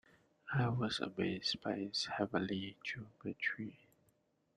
I was amazed by its heavenly geometry.